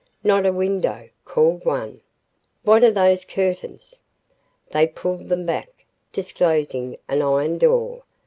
"Not a window!" called one. "What are those curtains?" They pulled them back, disclosing an iron door.